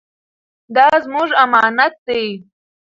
دا زموږ امانت دی.